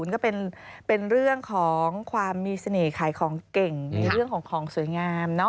ก็เป็นเรื่องของความมีเสน่ห์ขายของเก่งในเรื่องของของสวยงาม